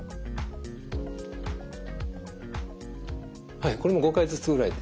はいこれも５回ずつぐらいで。